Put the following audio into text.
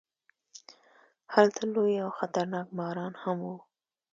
هلته لوی او خطرناک ماران هم وو.